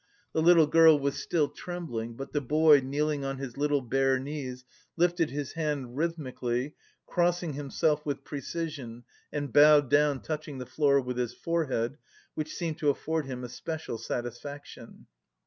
The little girl was still trembling; but the boy, kneeling on his little bare knees, lifted his hand rhythmically, crossing himself with precision and bowed down, touching the floor with his forehead, which seemed to afford him especial satisfaction.